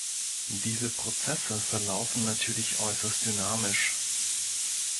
Diese Prozesse verlaufen natürlich äußerst dynamisch.